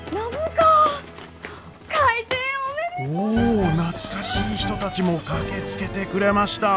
お懐かしい人たちも駆けつけてくれました。